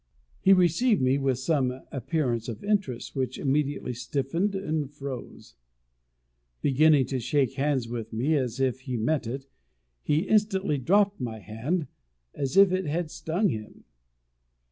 He received me with some appearance of interest, which immediately stiffened and froze. Beginning to shake hands with me as if he meant it, he instantly dropped my hand, as if it had stung him.